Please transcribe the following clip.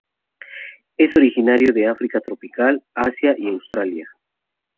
Es originario de África tropical, Asia y Australia.